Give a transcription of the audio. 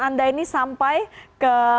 anda ini sampai ke